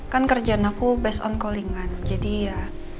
kan kerjaan aku based on calling kan jadi ya